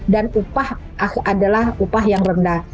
dan upah adalah upah yang rendah